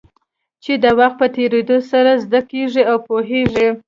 چې د وخت په تېرېدو سره زده کېږي او پوهېږې.